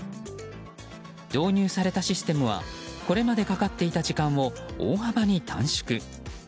導入されたシステムはこれまでにかかっていた時間を大幅に短縮。